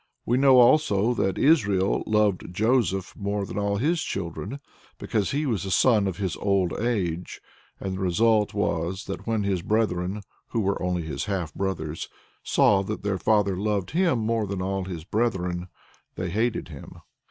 " We know also that "Israel loved Joseph more than all his children," because he was the son "of his old age," and the result was that "when his brethren [who were only his half brothers] saw that their father loved him more than all his brethren, they hated him."